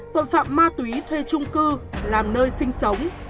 tội phạm ma túy thuê trung cư làm nơi sinh sống